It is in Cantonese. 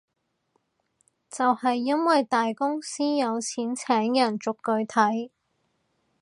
就係因為大公司有錢請人逐句睇